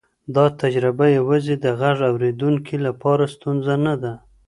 دا تجربه یوازې د غږ اورېدونکي لپاره ستونزه نه ده.